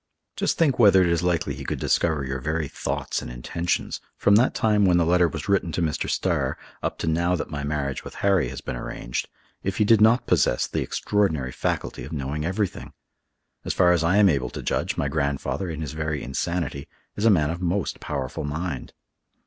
Just think whether it is likely he could discover your very thoughts and intentions, from that time when the letter was written to Mr. Starr, up to now that my marriage with Harry has been arranged, if he did not possess the extraordinary faculty of knowing everything. As far as I am able to judge, my grandfather, in his very insanity, is a man of most powerful mind.